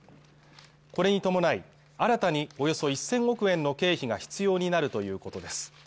これに伴い新たにおよそ１０００億円の経費が必要になるということです